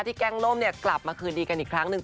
แก๊งล่มกลับมาคืนดีกันอีกครั้งหนึ่ง